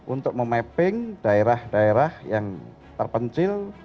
untuk memapping daerah daerah yang terpencil